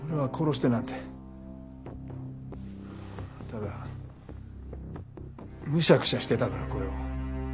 ただむしゃくしゃしてたからこれを。